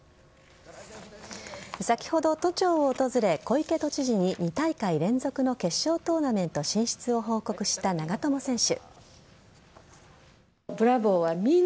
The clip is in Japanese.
先ほど都庁を訪れ小池都知事に２大会連続の決勝トーナメント進出を報告した長友選手。